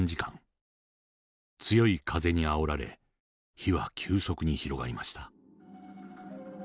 強い風にあおられ火は急速に広がりました。